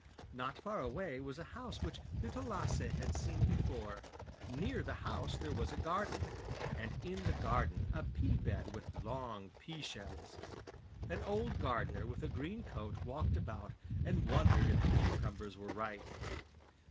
Not far away was a house which Little Lasse had seen before; near the house there was a garden, and in the garden a pea bed with long pea shells. An old gardener with a green coat walked about and wondered if the cucumbers were ripe.